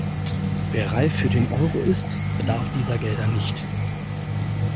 Wer reif für den Euro ist, bedarf dieser Gelder nicht.